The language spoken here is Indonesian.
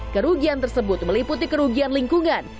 kerugian tersebut meliputi kerugian lingkungan